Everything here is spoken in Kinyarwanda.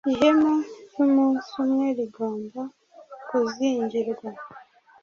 ihema ryumunsi umwe rigomba kuzingirwa